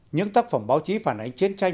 những tác phẩm báo chí phản ánh chiến tranh